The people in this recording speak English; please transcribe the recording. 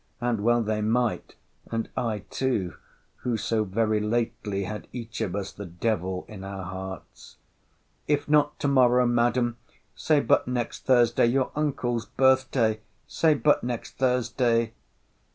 And well they might, and I too, who so very lately had each of us the devil in our hearts. If not to morrow, Madam, say but next Thursday, your uncle's birth day; say but next Thursday!